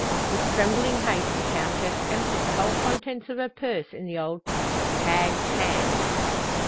With trembling haste the Countess emptied the whole contents of her purse in the old hag's hand.